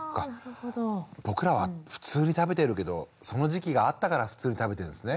僕らは普通に食べてるけどその時期があったから普通に食べてるんですね。